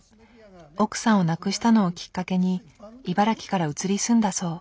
奥さんを亡くしたのをきっかけに茨城から移り住んだそう。